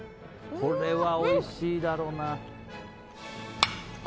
これはおいしいだろうな。